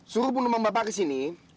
suruh penumpang bapak ke sini